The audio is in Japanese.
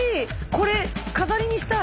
これ飾りにしたい。